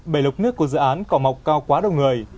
bầy lục nước của dự án cỏ mọc cao quá đông người